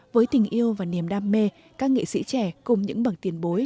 với tình yêu và niềm đam mê các nghệ sĩ trẻ cùng những bằng tiền bối